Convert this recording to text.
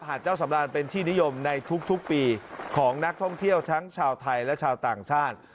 เจ้าสำรานเป็นที่นิยมในทุกปีของนักท่องเที่ยวทั้งชาวไทยและชาวต่างชาติ